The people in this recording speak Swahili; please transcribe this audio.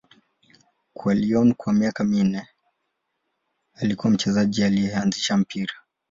Kwa Lyon kwa miaka minne, alikuwa mchezaji aliyeanzisha mpira.